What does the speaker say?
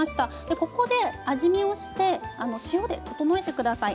ここで味見をして塩で調えてください。